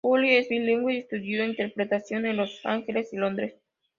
Juri es bilingüe y estudió interpretación en Los Ángeles y Londres.